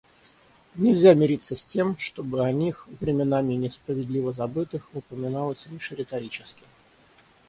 Нельзя мириться с тем, чтобы о них, временами несправедливо забытых, упоминалось лишь риторически.